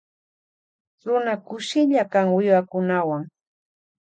Runa kushilla kan wiwakunawan.